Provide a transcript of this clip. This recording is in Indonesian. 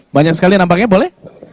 banyak sekali nampaknya boleh